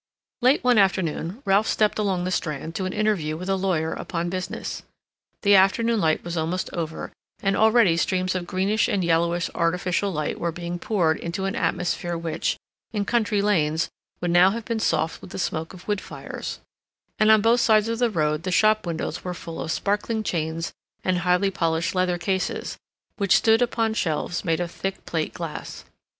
Late one afternoon Ralph stepped along the Strand to an interview with a lawyer upon business. The afternoon light was almost over, and already streams of greenish and yellowish artificial light were being poured into an atmosphere which, in country lanes, would now have been soft with the smoke of wood fires; and on both sides of the road the shop windows were full of sparkling chains and highly polished leather cases, which stood upon shelves made of thick plate glass.